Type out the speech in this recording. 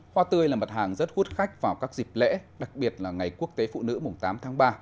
hoa tươi là mặt hàng rất hút khách vào các dịp lễ đặc biệt là ngày quốc tế phụ nữ mùng tám tháng ba